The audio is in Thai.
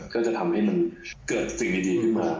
ก็จะทำให้มันเกิดสิ่งดีขึ้นมา